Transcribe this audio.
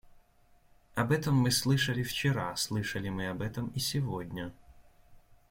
Об этом мы слышали вчера, слышали мы об этом и сегодня.